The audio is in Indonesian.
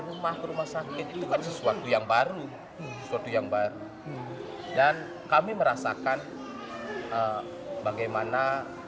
rumah ke rumah sakit itu kan sesuatu yang baru suatu yang baru dan kami merasakan bagaimana